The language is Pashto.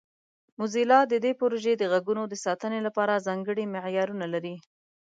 موزیلا د دې پروژې د غږونو د ساتنې لپاره ځانګړي معیارونه لري.